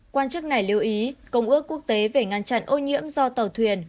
quan chức này lưu ý công ước quốc tế về ngăn chặn ô nhiễm do tàu thuyền